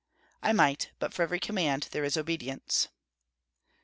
"I might; but for every command there is obedience."